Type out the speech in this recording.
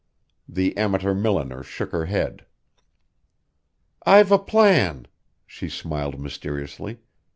The amateur milliner shook her head. "I've a plan," she smiled mysteriously.